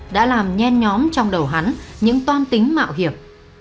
đã làm nhen nhóm trong đầu hắn những toan tính mạo hiểm